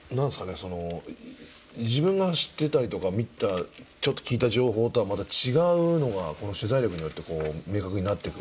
その自分が知ってたりとか見たちょっと聞いた情報とはまた違うのがこの取材力によってこう明確になってくる。